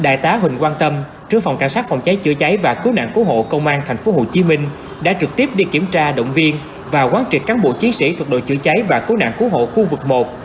đại tá huỳnh quang tâm trưởng phòng cảnh sát phòng cháy chữa cháy và cứu nạn cứu hộ công an tp hcm đã trực tiếp đi kiểm tra động viên và quán triệt cán bộ chiến sĩ thuộc đội chữa cháy và cứu nạn cứu hộ khu vực một